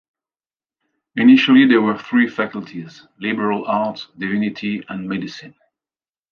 Initially there were three faculties: liberal arts, divinity and medicine.